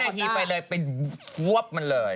แม่นาคีไปเลยไปว๊ับมันเลย